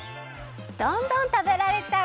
どんどんたべられちゃう！